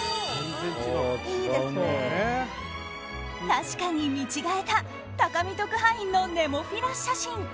確かに見違えた高見特派員のネモフィラ写真。